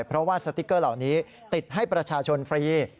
เพราะว่าสติ๊กเกอร์เหล่านี้ติดให้ประชาชนฟรี